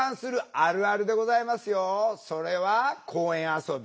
それは公園遊び。